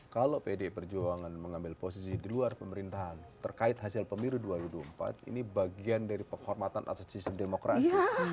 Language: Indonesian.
kalau pdi perjuangan mengambil posisi di luar pemerintahan terkait hasil pemilu dua ribu dua puluh empat ini bagian dari penghormatan atas sistem demokrasi